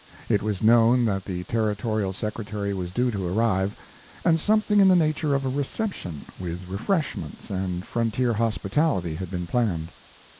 It was known that the Territorial secretary was due to arrive; and something in the nature of a reception, with refreshments and frontier hospitality, had been planned.